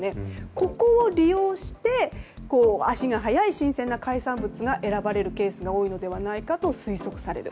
ここを利用して足が早い新鮮な海産物が選ばれるケースが推測される。